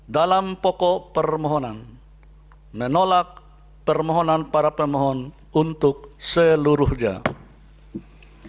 dalam pokok permohonan menolak permohonan para pemohon untuk seluruh jemaah